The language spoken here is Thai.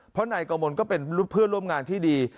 เพราะนายกมลก็เป็นเพื่อนร่วมงานที่ดี